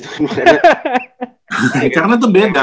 itu beda mungkin karena itu tadi kan